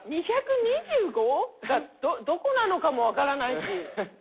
２２５がどこなのかも分からないし。